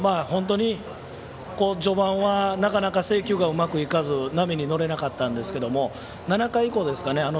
本当に序盤はなかなか制球がうまくいかず波に乗れなかったんですが７回以降ですかね